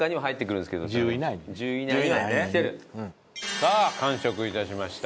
さあ完食致しました。